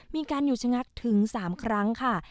มีการหยุดชะงักถึง๓ครั้งค่ะ